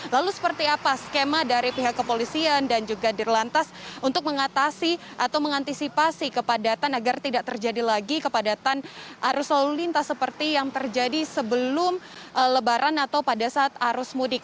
lalu seperti apa skema dari pihak kepolisian dan juga dirlantas untuk mengatasi atau mengantisipasi kepadatan agar tidak terjadi lagi kepadatan arus lalu lintas seperti yang terjadi sebelum lebaran atau pada saat arus mudik